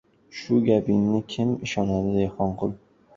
— Shu gapingga kim ishonadi, Dehqonqul?